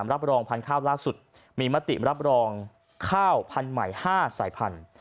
รับรองพันธุ์ข้าวล่าสุดมีมติรับรองข้าวพันธุ์ใหม่๕สายพันธุ์